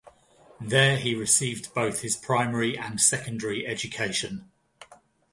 There he received both his primary and secondary education.